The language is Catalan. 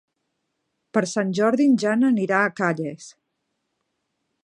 Per Sant Jordi en Jan anirà a Calles.